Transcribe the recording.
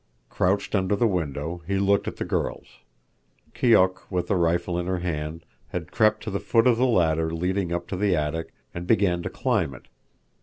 Crouched under the window, he looked at the girls. Keok, with a rifle in her hand, had crept to the foot of the ladder leading up to the attic, and began to climb it.